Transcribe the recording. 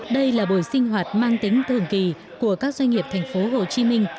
đây là buổi sinh hoạt mang tính thường kỳ của các doanh nghiệp tp hcm